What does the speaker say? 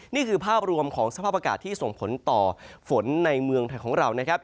นี่คือภาพรวมของสภาพอากาศที่ส่งผลต่อฝนในเมืองไทยของเรานะครับ